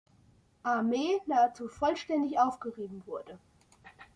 Armee nahezu vollständig aufgerieben wurde.